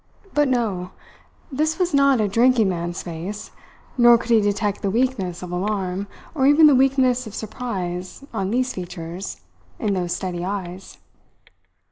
But no! this was not a drinking man's face; nor could he detect the weakness of alarm, or even the weakness of surprise, on these features, in those steady eyes.